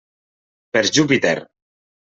Per Júpiter!